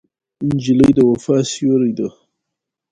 نجلۍ د وفا سیوری ده.